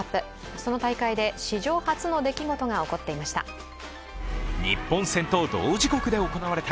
その大会で史上初の出来事が起こっていました。